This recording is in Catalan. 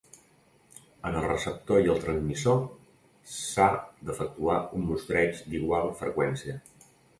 En el receptor i el transmissor s'ha d'efectuar un mostreig d'igual freqüència.